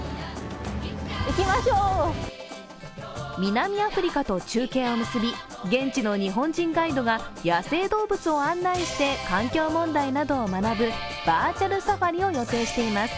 南アフリカと中継を結び現地の日本人ガイドが野生動物を案内して、環境問題などを学ぶバーチャルサファリを予定しています。